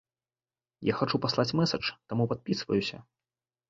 Я хачу паслаць мэсэдж, таму падпісваюся.